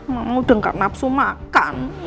mama udah gak nafsu makan